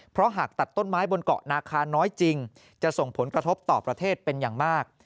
เพราะหากตัดต้นไม้บนเกาะนาคาน้อยจริงจะส่งผลกระทบต่อประเทศเป็นอย่างมาก